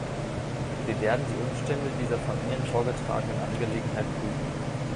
Wir werden die Umstände dieser von Ihnen vorgetragenen Angelegenheit prüfen.